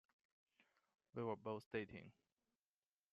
We were both dating.